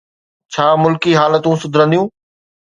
ڇا ملڪي حالتون سڌرنديون؟